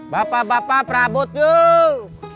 bapak bapak perabot yuk